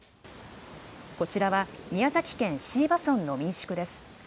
こちらは宮崎県椎葉村の民宿です。